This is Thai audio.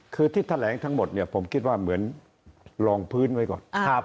คือที่แถลงทั้งหมดเนี่ยผมคิดว่าเหมือนลองพื้นไว้ก่อน